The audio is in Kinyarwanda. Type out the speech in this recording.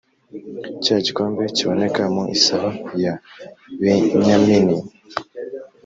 cya gikombe kiboneka mu isaho ya benyamini